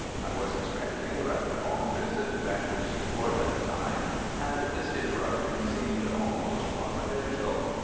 I was expecting a rather long visit to Bankruptcy Court at the time, and this interruption seemed almost providential.